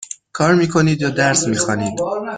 کار می کنید یا درس می خوانید؟